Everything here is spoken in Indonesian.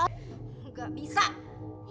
ingat pernyataan yang kamu buat sendiri